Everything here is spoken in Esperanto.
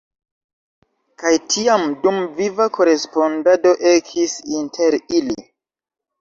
Kaj tiam dumviva korespondado ekis inter ili.